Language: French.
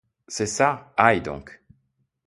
C'est ça, aïe donc !